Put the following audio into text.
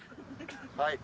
はい。